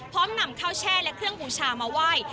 พร้อมนำข้าวแช่และเครื่องบูชามาไหว้